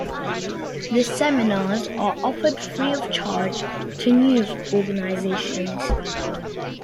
The seminars are offered free of charge to news organizations.